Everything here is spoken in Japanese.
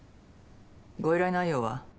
ご依頼内容は？